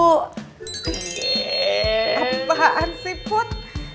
apaan sih put